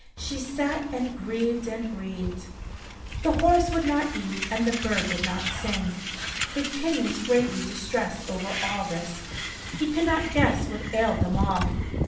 She sat and grieved and grieved. The horse would not eat and the bird would not sing. The King was greatly distressed over all this. He could not guess what ailed them all.